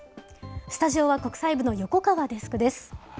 スタジオは国際部の横川デスクです。